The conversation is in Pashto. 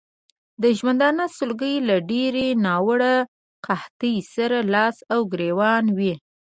د ژوندانه سلګۍ له ډېرې ناوړه قحطۍ سره لاس او ګرېوان وې.